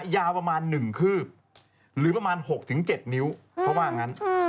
ยาวประมาณ๑คืบหรือประมาณ๖๗นิ้วเขาว่างั้น